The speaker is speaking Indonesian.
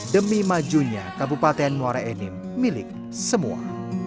demi majunya kabupaten muara enim milik semua